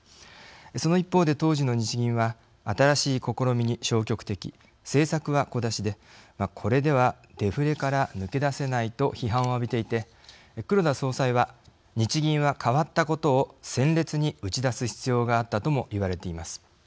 その一方で、当時の日銀は新しい試みに消極的政策は小出しでこれではデフレから抜け出せないと批判を浴びていて黒田総裁は日銀は、変わったことを鮮烈に打ち出す必要があったともいわれています。